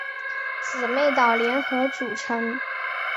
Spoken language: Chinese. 姊妹岛联合组成。